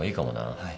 はい。